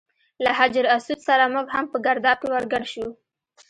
له حجر اسود سره موږ هم په ګرداب کې ور ګډ شو.